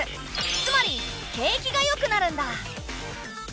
つまり景気がよくなるんだ。